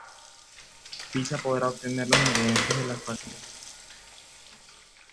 Pizza podrá obtener los ingredientes de la factoría independientemente de donde sea.